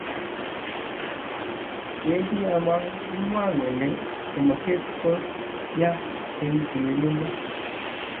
Wendi ama kimwa kele tomotet ko ya eng tililindo.